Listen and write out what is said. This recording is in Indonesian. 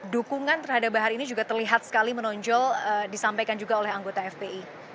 dukungan terhadap bahar ini juga terlihat sekali menonjol disampaikan juga oleh anggota fpi